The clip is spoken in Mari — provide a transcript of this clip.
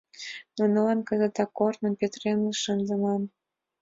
Нунылан кызытак корным петырен шындыман.